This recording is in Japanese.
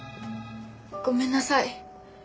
ごめんなさい。